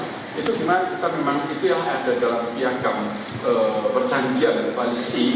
itu sebenarnya kita memang itu yang ada dalam piagam perjanjian dari koalisi